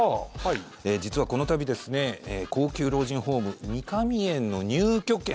実は、この度ですね高級老人ホーム三上園の入居権